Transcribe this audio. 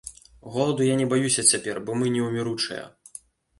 Голаду я не баюся цяпер, бо мы неўміручыя.